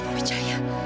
tak mau mencayainya